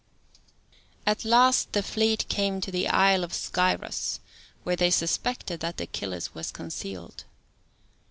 At last the fleet came to the Isle of Scyros, where they suspected that Achilles was concealed.